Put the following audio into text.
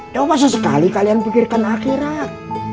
tidak masalah sekali kalian pikirkan akhirat